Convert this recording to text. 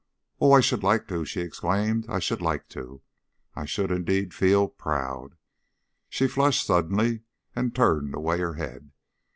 "Oh, I should like to!" she exclaimed. "I should like to! I should indeed feel proud." She flushed suddenly and turned away her head.